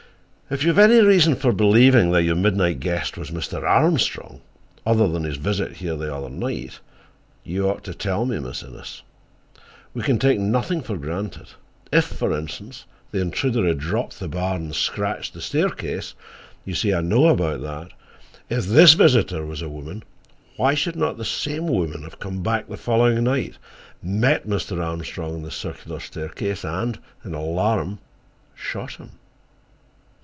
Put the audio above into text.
"If you have any reason for believing that your midnight guest was Mr. Armstrong, other than his visit here the next night, you ought to tell me, Miss Innes. We can take nothing for granted. If, for instance, the intruder who dropped the bar and scratched the staircase—you see, I know about that—if this visitor was a woman, why should not the same woman have come back the following night, met Mr. Armstrong on the circular staircase, and in alarm shot him?"